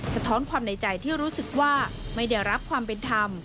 สะท้อนความในใจที่รู้สึกว่าไม่ได้รับความเป็นธรรม